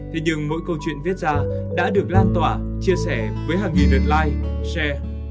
thế nhưng mỗi câu chuyện viết ra đã được lan tỏa chia sẻ với hàng nghìn lượt like share